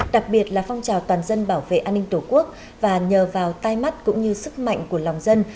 đặc biệt là phong trào toàn dân bảo vệ an ninh tổ quốc và nhờ vào tay mắt cũng như sức mạnh của lòng dân